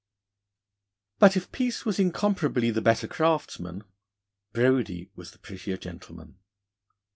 But if Peace was incomparably the better craftsman, Brodie was the prettier gentleman.